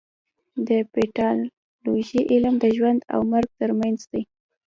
د پیتالوژي علم د ژوند او مرګ ترمنځ دی.